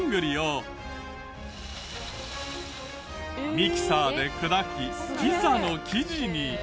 ミキサーで砕きピザの生地に。